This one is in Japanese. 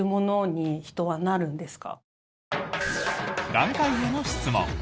眼科医への質問。